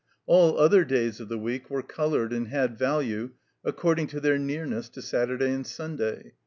All other days of the week were colored and had value ac cording to their nearness to Saturday and Simday.